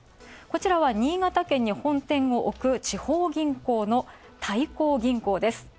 こちらは新潟県に本店をおく、地方銀行の大光銀行です。